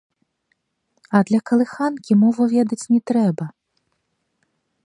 А для калыханкі мову ведаць не трэба.